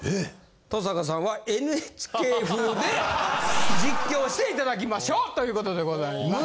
登坂さんはＮＨＫ風で実況していただきましょうということでございます。